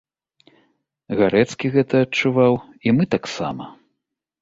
Гарэцкі гэта адчуваў, і мы таксама.